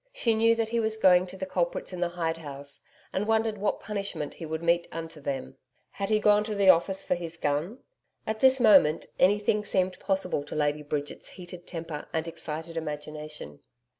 She knew that he was going to the culprits in the hide house, and wondered what punishment he would mete unto them. Had he gone to the office for his gun? At this moment, anything seemed possible to Lady Bridget's heated temper and excited imagination.